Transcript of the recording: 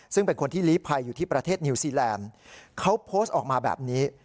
ซึ่งเป็นคนที่ลีภัยอยู่ที่ประเทศนิวซีแลนด์เขาโพสต์ออกมาแบบนี้